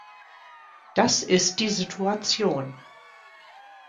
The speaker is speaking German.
Das ist die Situation.